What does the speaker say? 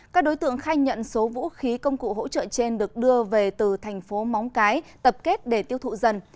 các đối tượng khai nhận số vũ khí công cụ hỗ trợ trên được đưa về từ thành phố móng cái tập kết để tiêu thụ dần